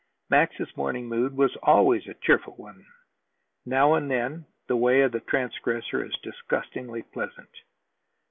Max's morning mood was always a cheerful one. Now and then the way of the transgressor is disgustingly pleasant.